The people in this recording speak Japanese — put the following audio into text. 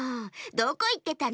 どこいってたの？